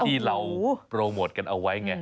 ที่เราโปรโมทกันเอาไว้ไง